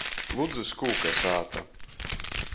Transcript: Ludzys kūka sāta.